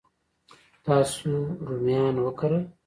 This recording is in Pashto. تاسو رومیان وکرل؟